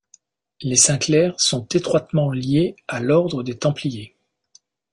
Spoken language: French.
Les Sinclair sont étroitement liés à l'Ordre des Templiers.